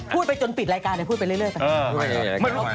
พูดไปจนปิดรายการพูดไปเรื่อยสักที